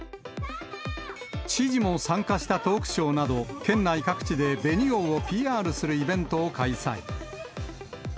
知事も参加したトークショーなど、県内各地で紅王をＰＲするイベントを開催。